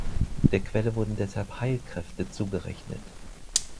Der Quelle wurden deshalb Heilkräfte zugerechnet.